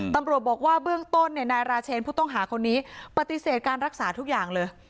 ตำรวจบอกว่าเบื้องต้นนายราเชนผู้ต้องหาคนนี้ปฏิเสธการรักษาทุกอย่างเลย